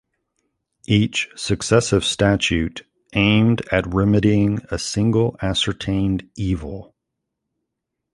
Each successive statute aimed at remedying a single ascertained evil.